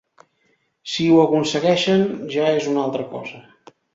Si ho aconsegueixen, ja és una altra cosa.